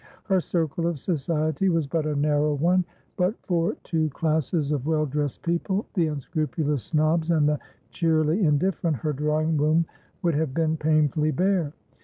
Her circle of society was but a narrow one; but for two classes of well dressed people, the unscrupulous snobs and the cheerily indifferent, her drawing room would have been painfully bare.